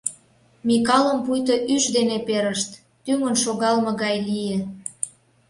Микалым пуйто ӱш дене перышт, тӱҥын шогалме гай лие.